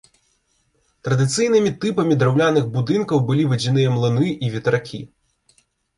Традыцыйнымі тыпамі драўляных будынкаў былі вадзяныя млыны і ветракі.